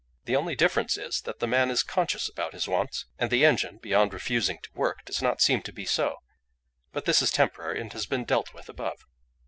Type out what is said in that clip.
The only difference is, that the man is conscious about his wants, and the engine (beyond refusing to work) does not seem to be so; but this is temporary, and has been dealt with above.